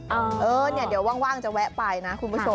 เออเนี่ยเดี๋ยวว่างจะแวะไปนะคุณผู้ชม